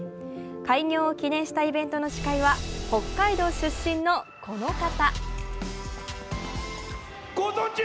開業を記念したイベントの司会は北海道出身のこの方。